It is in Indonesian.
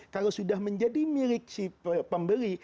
kalau sudah menjadi milik si pembeli